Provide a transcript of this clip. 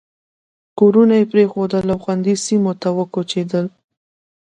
کورونه پرېښودل او خوندي سیمو ته وکوچېدل.